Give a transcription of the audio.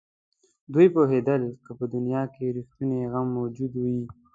دوی پوهېدل که په دنیا کې رښتونی غم موجود وي.